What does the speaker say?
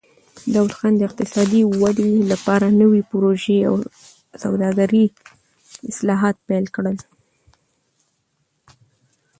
داوود خان د اقتصادي ودې لپاره نوې پروژې او د سوداګرۍ اصلاحات پیل کړل.